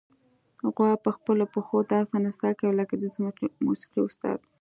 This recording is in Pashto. غوا په خپلو پښو داسې نڅا کوي لکه د موسیقۍ استاد.